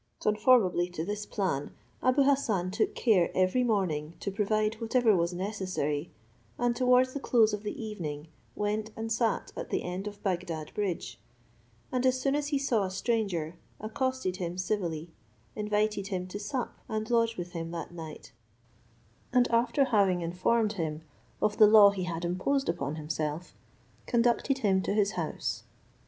Conformably to this plan, Abou Hassan took care every morning to provide whatever was necessary, and towards the close of the evening, went and sat at the end of Bagdad bridge; and as soon as he saw a stranger, accosted him civilly invited him to sup and lodge with him that night, and after having informed him of the law he had imposed upon himself, conducted him to his house.